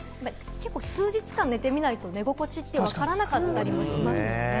結構、数日間寝てみないと寝心地ってわからなかったりもしますよね。